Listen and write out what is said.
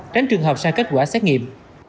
tránh trường học sai kết quả xét nghiệm